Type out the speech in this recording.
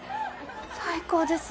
最高です。